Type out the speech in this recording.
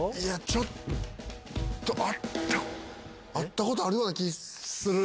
ちょっと、会ったことあるような気する。